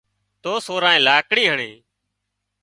تو سورئي لاڪڙي هڻي